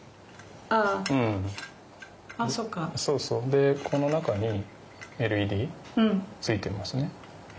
でこの中にＬＥＤついてますね。